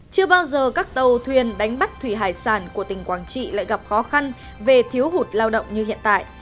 chưa bao giờ các tàu thuyền đánh bắt thủy hải sản của tỉnh quảng trị lại gặp khó khăn về thiếu hụt lao động như hiện tại